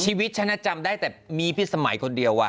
ชีวิตฉันจำได้แต่มีพิษสมัยคนเดียว